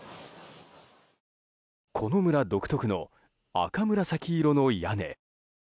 この村独特の赤紫色の屋根。